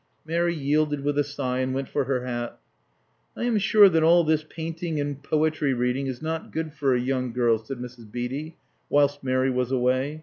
Mary yielded with a sigh, and went for her hat. "I am sure that all this painting and poetry reading is not good for a young girl," said Mrs. Beatty, whilst Mary was away.